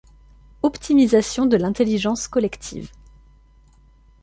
Optimisation de l'intelligence collective.